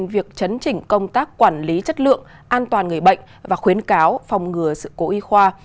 việc chấn chỉnh công tác quản lý chất lượng an toàn người bệnh và khuyến cáo phòng ngừa sự cố y khoa